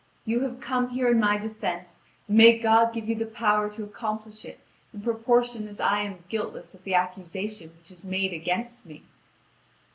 You have come here in my defence, and may God give you the power to accomplish it in proportion as I am guiltless of the accusation which is made against me!"